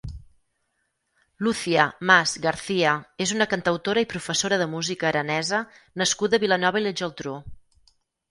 Lúcia Mas Garcia és una cantautora i professora de música aranesa nascuda a Vilanova i la Geltrú.